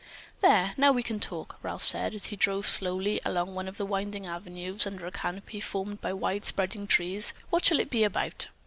"There, now we can talk," Ralph said as he drove slowly along one of the winding avenues under a canopy formed by wide spreading trees. "What shall it be about?"